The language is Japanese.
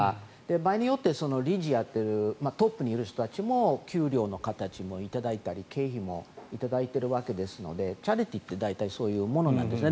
場合によっては理事をやっているトップにいる人たちも給料の形も頂いたり経費も頂いてるわけですのでチャリティーって大体そういうものなんですね。